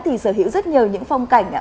thì sở hữu rất nhiều những phong cảnh